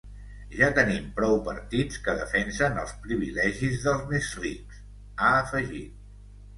Ja tenim prou partits que defensen els privilegis dels més rics, ha afegit.